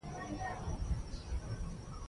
هغه واک چې کنټرول نه لري بالاخره زیان رسوي